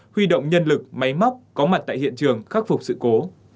huy động nhân lực máy móc có mặt tại hiện trường khắc phục sự cố